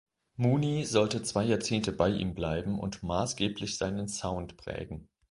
Mooney sollte zwei Jahrzehnte bei ihm bleiben und maßgeblich seinen Sound prägen.